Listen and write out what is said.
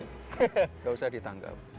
nggak usah ditanggap